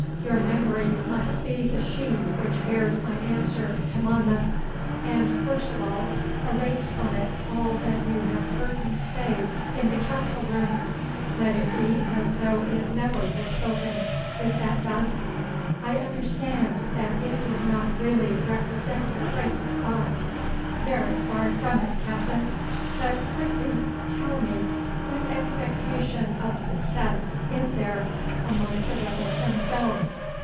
Your memory must be the sheet which bears my answer to Monmouth. And first of all, erase from it all that you have heard me say in the council room. Let it be as though it never were spoken. Is that done?' 'I understand that it did not really represent your Grace's thoughts.' 'Very far from it, Captain. But prythee tell me what expectation of success is there among the rebels themselves?